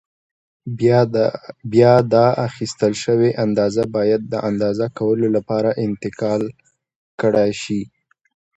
بیا دا اخیستل شوې اندازه باید د اندازه کولو لپاره انتقال کړای شي.